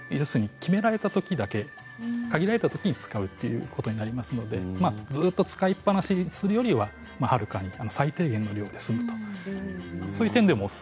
決められたときだけ限られたときに使うということになりますので、ずっと使いっぱなしにするよりははるかに最低限の量で済みます。